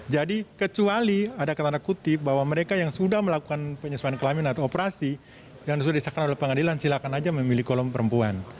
jadi kecuali ada ketanda kutip bahwa mereka yang sudah melakukan penyesuaian kelamin atau operasi yang sudah diserahkan oleh pengadilan silahkan aja memilih kolom perempuan